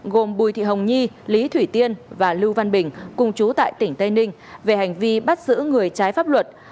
gồm bùi thị hồng nhi lý thủy tiên và lưu văn bình cùng chú tại tỉnh tây ninh về hành vi bắt giữ người trái pháp luật